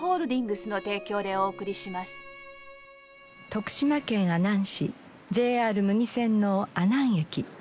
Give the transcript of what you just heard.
徳島県阿南市ＪＲ牟岐線の阿南駅。